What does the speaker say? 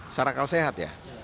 secara kalsehat ya